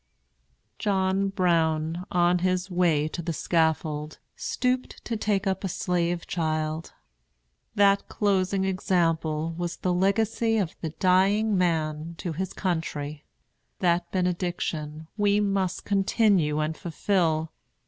John Brown, on his way to the scaffold, stooped to take up a slave child. That closing example was the legacy of the dying man to his country. That benediction we must continue and fulfil.